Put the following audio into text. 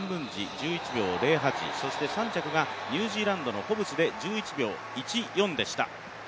１１秒０８そして３着がニュージーランドのホブスで１１秒１４でした。